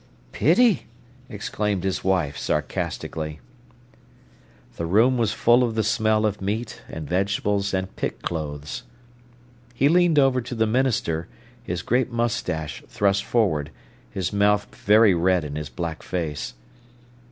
"Pity!" exclaimed his wife, sarcastically. The room was full of the smell of meat and vegetables and pit clothes. He leaned over to the minister, his great moustache thrust forward, his mouth very red in his black face.